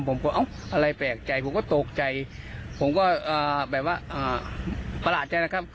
ผมก็เอ้าอะไรแปลกใจผมก็ตกใจผมก็แบบว่าประหลาดใจนะครับ